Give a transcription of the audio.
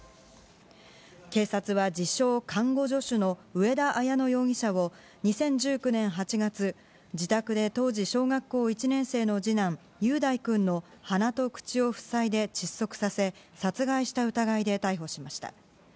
警察は、自称看護助手の上田綾乃容疑者を２０１９年８月、自宅で当時、小学校１年生の次男・雄大君の鼻と口を塞いで窒息させ、殺害した疑いで逮捕しました。